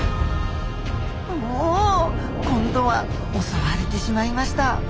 お今度は襲われてしまいました。